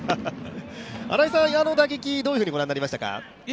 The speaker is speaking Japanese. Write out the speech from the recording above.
新井さんはあの打撃、どういうふうにご覧になりましたか。